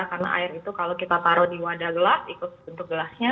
karena air itu kalau kita taruh di wadah gelas ikut bentuk gelasnya